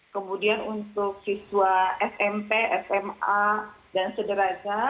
kemudian untuk siswa smp sma dan sederaja